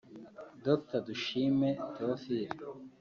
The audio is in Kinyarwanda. Dr Dushime Theophile